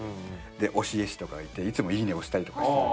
で推し絵師とかがいていつも「いいね」を押したりとかしてる。